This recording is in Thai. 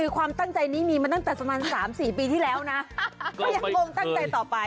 ความตั้งใจนี้มีมาตั้งแต่สมันต์๓๔ปีที่แล้วนะ